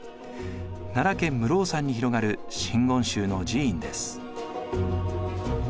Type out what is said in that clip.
奈良県室生山に広がる真言宗の寺院です。